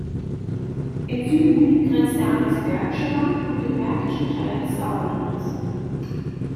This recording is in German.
Im Süden grenzt er an das Bergische Land und den Märkischen Teil des Sauerlandes.